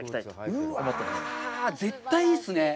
うわぁ、絶対いいっすね。